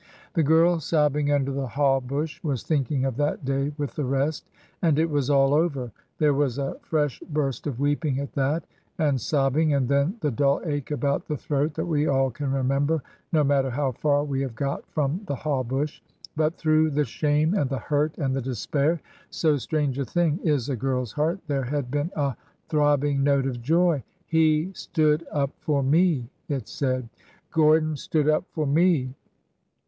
The girl sobbing under the haw bush was thinking of that day with the rest. And it was all over ! There was a fresh burst of weeping at that, and sobbing, and then the dull ache about the throat that we all can remember, no matter how far we have got from the haw bush. But through the shame and the hurt and the despair— so strange a thing is a girl's heart!— there had been a throb bing note of joy. He stood up for me !" it said. '' Gordon stood up for me!"